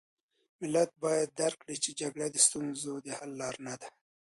ملت باید درک کړي چې جګړه د ستونزو د حل لاره نه ده.